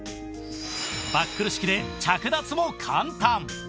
バックル式で着脱も簡単！